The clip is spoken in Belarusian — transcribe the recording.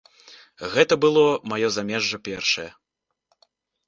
Гэта было маё замежжа першае.